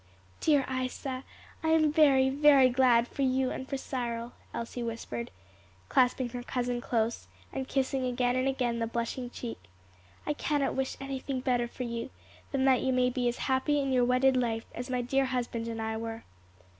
"Dear Isa, I am very, very glad for you and for Cyril," Elsie whispered, clasping her cousin close, and kissing again and again the blushing cheek. "I cannot wish anything better for you than that you may be as happy in your wedded life as my dear husband and I were."